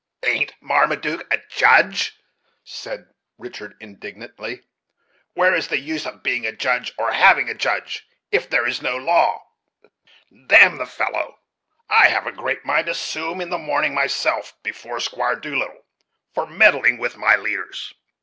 "Ain't Marmaduke a judge?" said Richard indignantly. "Where is the use of being a judge, or having a judge, if there is no law? Damn the fellow! I have a great mind to sue him in the morning myself, before Squire Doolittle, for meddling with my leaders.